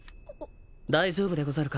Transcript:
大丈夫でござるか？